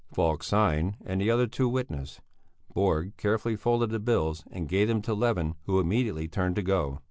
Falk signed and the other two witnessed. Borg carefully folded the bills and gave them to Levin who immediately turned to go.